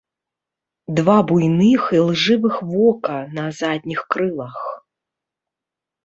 Два буйных ілжывых вока на задніх крылах.